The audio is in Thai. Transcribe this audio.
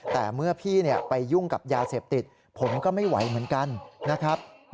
แต่เมื่อพี่ไปยุ่งกับยาเสพติดผมก็ไม่ไหวเหมือนกันนะครับ